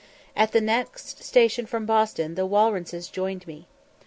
At the next station from Boston the Walrences joined me.